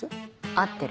合ってる。